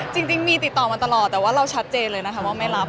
จริงมีติดต่อมาตลอดแต่ว่าเราชัดเจนเลยนะคะว่าไม่รับ